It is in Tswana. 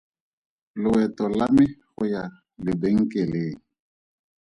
Loeto la me go ya lebenkeleng.